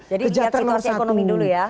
jadi dilihat situasi ekonomi dulu ya